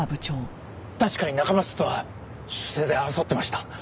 確かに中松とは出世で争ってました。